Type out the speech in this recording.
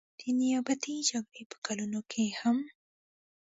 د نیابتي جګړې په کلونو کې هم.